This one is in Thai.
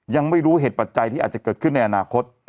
ยังไม่รู้เหตุปัจจัยที่อาจจะเกิดขึ้นในอนาคต